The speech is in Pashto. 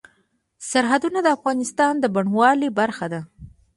سرحدونه د افغانستان د بڼوالۍ برخه ده.